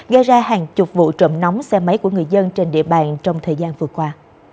gây ra hàng chục vụ trộm nóng xe máy của người dân trên địa bàn trong thời gian vừa qua